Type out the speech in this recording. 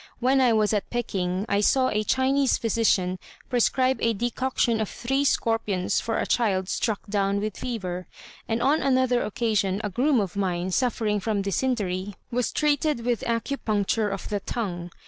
When I was at Peking, I saw a Chinese physician prescribe a decoction of three scorpions for a child struck down with fever; and on another occasion a groom of mine, suffering from dysentery, was treated with acupuncture of the tongue.